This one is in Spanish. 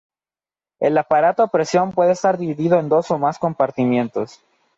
El aparato a presión puede estar dividido en dos o más compartimentos.